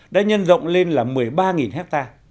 đã nhân rộng lên là một mươi ba ha